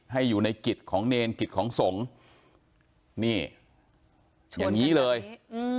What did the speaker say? ให้อยู่ในกิจของเนรกิจของสงฆ์นี่อย่างงี้เลยอืม